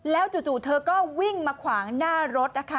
แล้วจู่เธอก็วิ่งมาขวางหน้ารถนะคะ